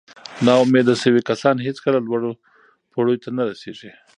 ناامیده شوي کسان هیڅکله لوړو پوړیو ته نه رسېږي.